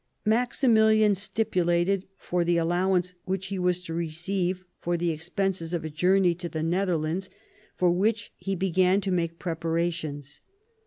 Maximilian stipulated for the allowance which he was to receive for the expenses of a journey to the Netherlands, for which he began to make preparations.